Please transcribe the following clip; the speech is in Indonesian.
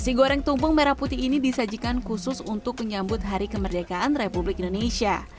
nasi goreng tumpeng merah putih ini disajikan khusus untuk menyambut hari kemerdekaan republik indonesia